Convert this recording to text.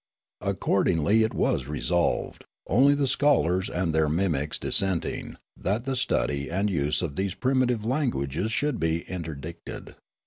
Accordingly it was resolved, only the scholars and their mimics dissenting, that the stud} and use of these primitive languages should be interdicted.